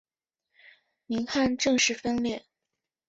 宁汉正式分裂。